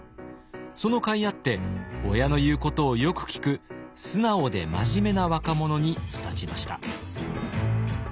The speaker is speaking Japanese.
その甲斐あって親の言うことをよく聞く素直で真面目な若者に育ちました。